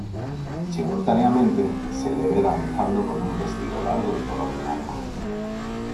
Simultáneamente, se le ve danzando con un vestido largo de color blanco.